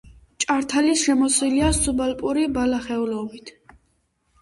ჭართალი შემოსილია სუბალპური ბალახეულობით.